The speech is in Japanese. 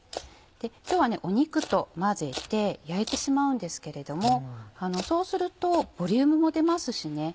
今日は肉と混ぜて焼いてしまうんですけれどもそうするとボリュームも出ますしね。